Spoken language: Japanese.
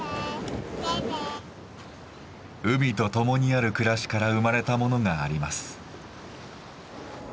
海とともにある暮らしから生まれたものがあります。